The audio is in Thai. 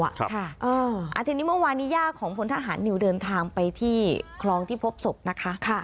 อาทิตย์เมื่อวานนี้ย่าของพลทหารนิวเดินทางไปที่คลองที่พบศพนะคะ